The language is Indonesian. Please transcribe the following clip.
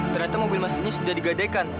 ternyata mobil masing masing sudah digadekan